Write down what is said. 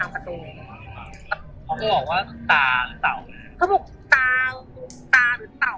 บอกว่าตาหรือเตา